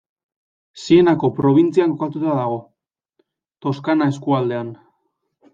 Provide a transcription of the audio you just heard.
Sienako probintzian kokatuta dago, Toscana eskualdean.